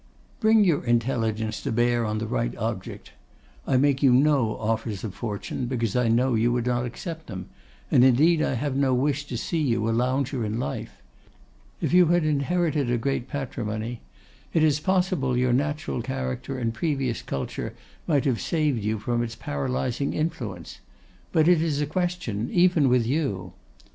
'Bring your intelligence to bear on the right object. I make you no offers of fortune, because I know you would not accept them, and indeed I have no wish to see you a lounger in life. If you had inherited a great patrimony, it is possible your natural character and previous culture might have saved you from its paralysing influence; but it is a question, even with you.